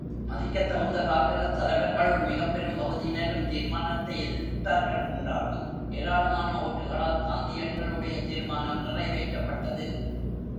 மதிக்கத் தகுந்த காங்கிரஸ் தலைவர்களுள் மிகப்பெரும் பகுதியினரும் தீர்மானத்தை எதிர்த்தார்கள் என்றாலும், ஏராளமான ஓட்டுகளால் காந்தியடிகளுடைய தீர்மானம் நிறைவேற்றப்பட்டது.